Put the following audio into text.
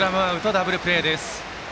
ダブルプレーです。